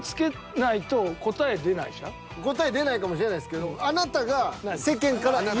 答え出ないかもしれないですけど。